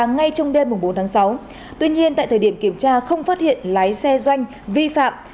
ngay trong đêm bốn tháng sáu tuy nhiên tại thời điểm kiểm tra không phát hiện lái xe doanh vi phạm